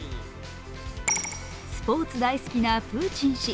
スポーツ大好きなプーチン氏。